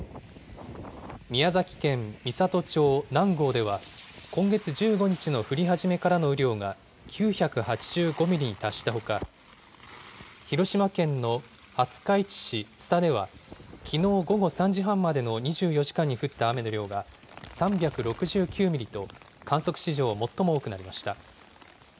宮崎県美郷町南郷では、今月１５日の降り始めからの雨量が９８５ミリに達したほか、広島県の廿日市市津田ではきのう午後３時半までの２４時間に降った雨の量が３６９ミリと観測史上最も多くなりました。